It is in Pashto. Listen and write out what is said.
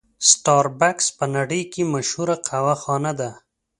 سټار بکس په نړۍ کې مشهوره قهوه خانه ده.